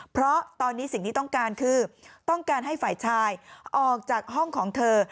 เพราะตอนนี้สิ่งที่ต้องการคือต้องการให้ฝ่ายชายออกจากห้องของเธอ